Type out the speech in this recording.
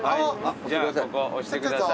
じゃあここ押してください。